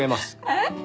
えっ？